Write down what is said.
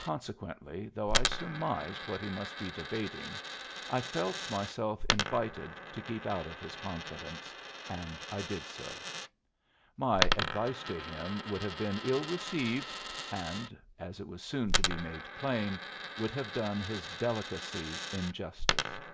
Consequently, though I surmised what he must be debating, I felt myself invited to keep out of his confidence, and I did so. My advice to him would have been ill received, and as was soon to be made plain would have done his delicacy injustice.